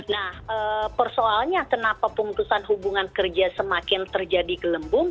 nah persoalnya kenapa pemutusan hubungan kerja semakin terjadi gelembung